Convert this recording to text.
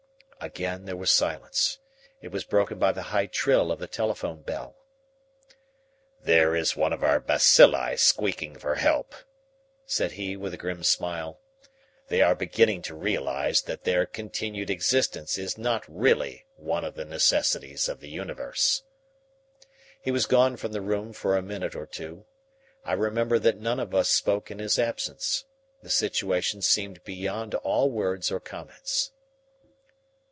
Again there was silence. It was broken by the high trill of the telephone bell. "There is one of our bacilli squeaking for help," said he with a grim smile. "They are beginning to realize that their continued existence is not really one of the necessities of the universe." He was gone from the room for a minute or two. I remember that none of us spoke in his absence. The situation seemed beyond all words or comments.